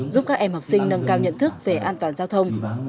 giúp các em học sinh nâng cao nhận thức về an toàn giao thông